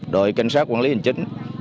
đội cảnh sát quản lý hình chính